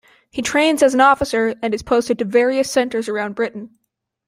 He trains as an officer and is posted to various centres around Britain.